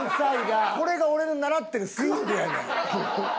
これが俺の習ってるスイングやねん。